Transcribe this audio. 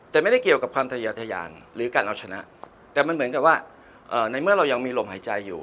แต่ไม่ได้เกี่ยวกับความทะยาทะยานหรือการเอาชนะแต่มันเหมือนกับว่าในเมื่อเรายังมีลมหายใจอยู่